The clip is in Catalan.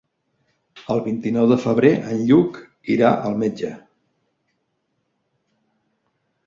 El vint-i-nou de febrer en Lluc irà al metge.